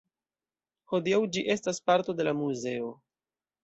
Hodiaŭ ĝi estas parto de la muzeo.